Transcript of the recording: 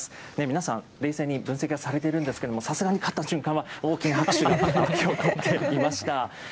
皆さん、冷静に分析をされてるんですけれども、さすがに勝った瞬間は大きな拍手が巻き起こっていました。